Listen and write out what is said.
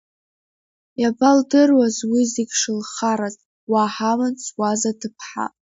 Иабалдыруаз уи зегь шылхараз, уа ҳамаҵ зуаз аҭыԥҳа.